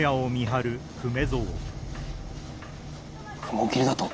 雲霧だと？